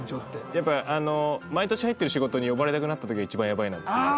やっぱ毎年入ってる仕事に呼ばれなくなった時が一番やばいなっていうのが。